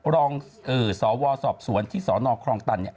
รองสวสอบสวนที่สนคลองตันเนี่ย